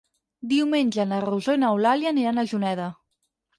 Diumenge na Rosó i n'Eulàlia aniran a Juneda.